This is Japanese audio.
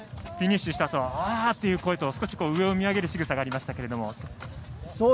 フィニッシュしたあとああっという声と少し上を見上げるしぐさがありましたけども。